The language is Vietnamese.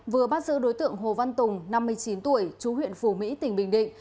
vừa bắt giữ đối tượng hồ văn tùng năm mươi chín tuổi chú huyện phủ mỹ tỉnh bình định